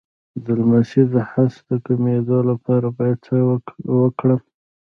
د لمس د حس د کمیدو لپاره باید څه وکړم؟